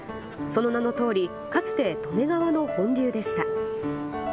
その名のとおりかつて利根川の本流でした。